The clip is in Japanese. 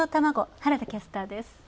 原田キャスターです。